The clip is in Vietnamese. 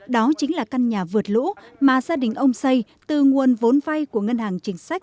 đó chính là căn nhà vượt lũ mà gia đình ông xây từ nguồn vốn vay của ngân hàng chính sách